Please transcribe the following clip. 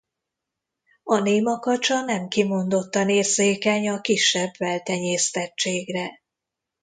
A néma kacsa nem kimondottan érzékeny a kisebb beltenyésztettségre.